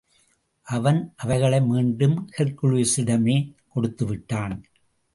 அவன் அவைகளை மீண்டும் ஹெர்க்குலிஸிடமே கொடுத்து விட்டான்.